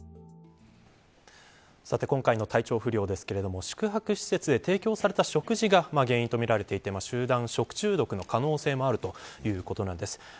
今回の体調不良ですが宿泊施設で提供された食事が原因とみられていて集団食中毒の可能性もあるということです。